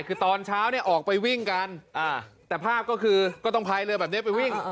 คือตอนเช้าเนี่ยออกไปวิ่งกันแต่ภาพก็คือก็ต้องพายเรือแบบนี้ไปวิ่ง